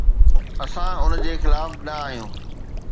اسان ان جي خلاف نه آهيون.